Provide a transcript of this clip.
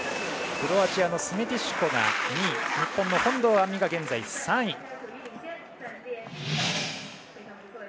クロアチアのスメティシュコが２位日本の本堂杏実が現在３位。